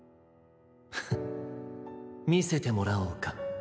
フッみせてもらおうか。